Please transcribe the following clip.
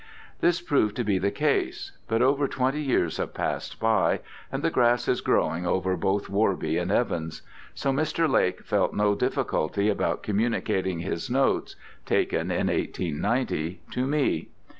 This proved to be the case. But over twenty years have passed by, and the grass is growing over both Worby and Evans; so Mr. Lake felt no difficulty about communicating his notes taken in 1890 to me.